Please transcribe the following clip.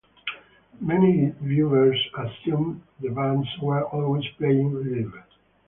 Many viewers assumed the bands were always playing live.